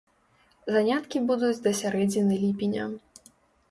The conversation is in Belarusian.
Заняткі будуць да сярэдзіны ліпеня.